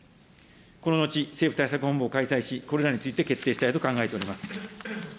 この後、政府対策本部を開催し、これらについて決定したいと考えております。